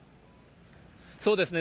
そうですね。